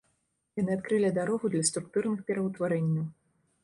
Яны адкрылі дарогу для структурных пераўтварэнняў.